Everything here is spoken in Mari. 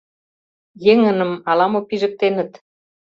Еҥыным ала-мо пижыктеныт?